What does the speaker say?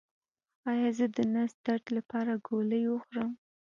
ایا زه د نس درد لپاره ګولۍ وخورم؟